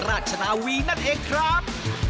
ราชนาวีนั่นเองครับ